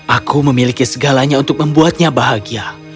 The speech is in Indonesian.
aku memiliki segalanya untuk membuatnya bahagia